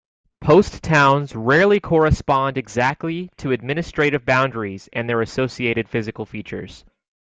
Post towns rarely correspond exactly to administrative boundaries and their associated physical features.